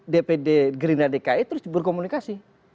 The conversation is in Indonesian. dpd gerindra dki terus berkomunikasi